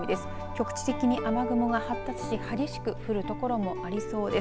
局地的に雨雲が発達し激しく降る所もありそうです。